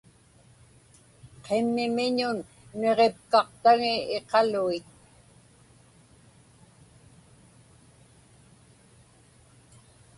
Qimmiŋiññun niġipkaqtaŋi iqaluit.